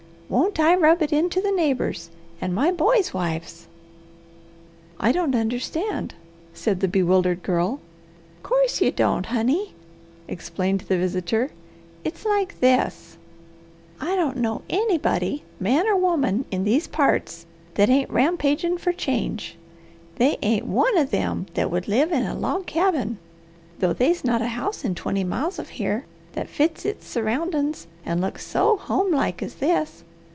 Won't I rub it into the neighbours? And my boys' wives!" "I don't understand," said the bewildered Girl. "'Course you don't, honey," explained the visitor. "It's like this: I don't know anybody, man or woman, in these parts, that ain't rampagin' for CHANGE. They ain't one of them that would live in a log cabin, though they's not a house in twenty miles of here that fits its surroundin's and looks so homelike as this.